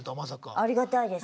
ありがたいです。